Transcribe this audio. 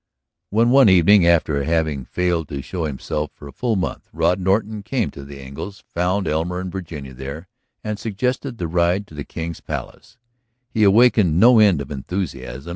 When one evening, after having failed to show himself for a full month, Rod Norton came to the Engles', found Elmer and Virginia there, and suggested the ride to the King's Palace, he awakened no end of enthusiasm.